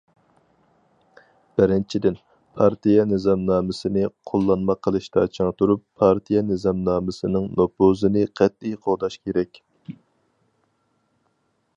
بىرىنچىدىن، پارتىيە نىزامنامىسىنى قوللانما قىلىشتا چىڭ تۇرۇپ، پارتىيە نىزامنامىسىنىڭ نوپۇزىنى قەتئىي قوغداش كېرەك.